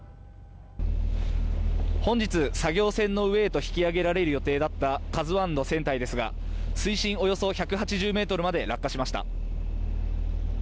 本日、作業船の上へと引き揚げられる予定だった「ＫＡＺＵⅠ」の船体ですが水深およそ１８０ｍまで落下しました。